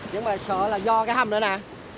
nhưng mà sợ là do cái hầm đó nè